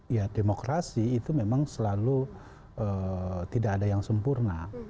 ya demokrasi itu memang selalu tidak ada yang sempurna